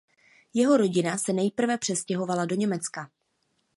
Jeho rodina se nejprve přestěhovala do Německa.